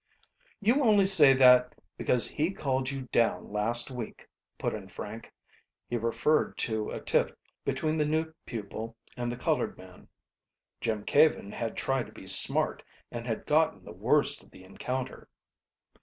"You only say that because he called you down last week," put in Frank. He referred to a tilt between the new pupil and the colored man. Jim Caven had tried to be "smart" and had gotten the worst of the encounter.